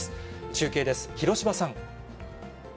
中継です、広芝さん。